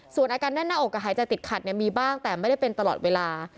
ส่วนอาการแน่นหน้าอกกับหายใจติดขัดมีบ้างแต่ไม่ได้เป็นตลอดเวลา